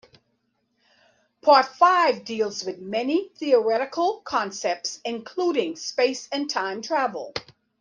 Part Five deals with many theoretical concepts, including space and time travel.